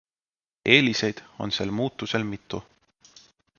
Eeliseid on sel muutusel mitu.